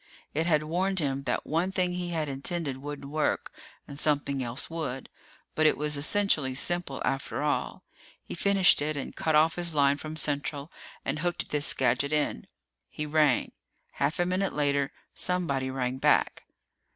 It had warned him that one thing he had intended wouldn't work and something else would. But it was essentially simple, after all. He finished it and cut off his line from Central and hooked this gadget in. He rang. Half a minute later, somebody rang back.